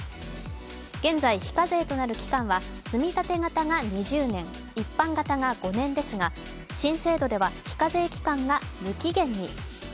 現在、非課税となる期間はつみたて型が２０年、一般型が５年ですが新制度では、非課税期間が無期限に。